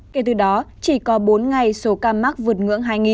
kể từ đó chỉ có bốn ngày số ca mắc vượt ngưỡng hai